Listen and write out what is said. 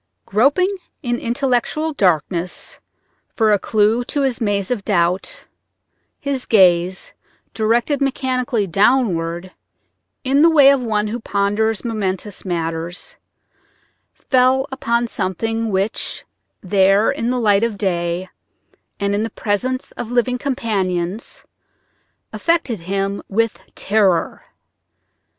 Groping in intellectual darkness for a clew to his maze of doubt, his gaze, directed mechanically downward in the way of one who ponders momentous matters, fell upon something which, there, in the light of day and in the presence of living companions, affected him with terror.